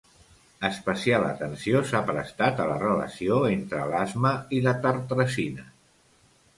Especial atenció s'ha prestat a la relació entre l'asma i la tartrazina.